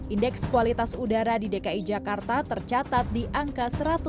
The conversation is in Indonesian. indeks kualitas udara di dki jakarta tercatat di angka satu ratus tujuh puluh